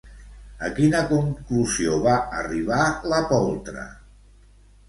A quina conclusió va arribar la poltra?